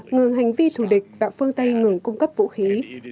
ngừng hành vi thù địch và phương tây ngừng cung cấp vũ khí